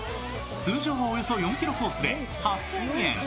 通常およそ４ｋｍコースで８０００円。